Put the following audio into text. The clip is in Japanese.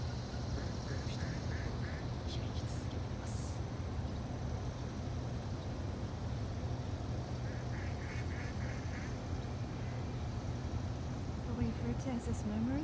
多くの人の心に響き続けています。